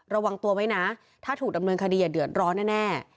ระวังตัวไว้นะถ้าถูกดำเนินคดีอย่าเดือดร้อนแน่